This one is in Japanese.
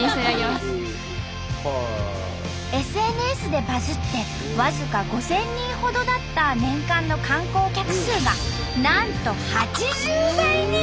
ＳＮＳでバズって僅か５，０００人ほどだった年間の観光客数がなんと８０倍に！